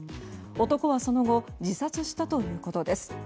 男はその後自殺したということです。